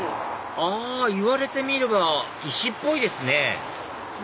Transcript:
あ言われてみれば石っぽいですね